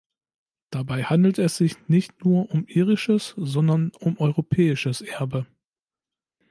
Dabei handelt es sich nicht nur um irisches, sondern um europäisches Erbe.